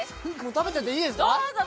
食べちゃっていいですか？